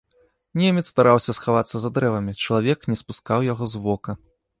Немец стараўся схавацца за дрэвамі, чалавек не спускаў яго з вока.